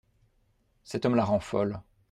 Cet homme la rend folle.